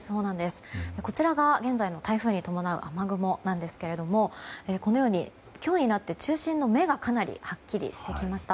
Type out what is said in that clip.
こちらが現在の台風に伴う雨雲なんですがこのように今日になって中心の目がかなりはっきりしてきました。